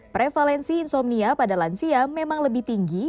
prevalensi insomnia pada lansia memang lebih tinggi